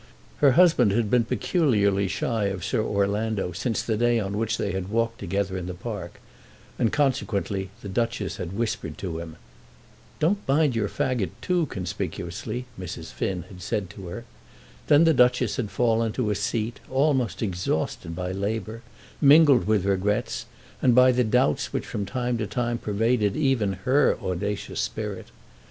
Her husband had been peculiarly shy of Sir Orlando since the day on which they had walked together in the park, and, consequently, the Duchess had whispered to him. "Don't bind your fagot too conspicuously," Mrs. Finn had said to her. Then the Duchess had fallen to a seat almost exhausted by labour, mingled with regrets, and by the doubts which from time to time pervaded even her audacious spirit.